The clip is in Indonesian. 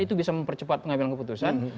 itu bisa mempercepat pengambilan keputusan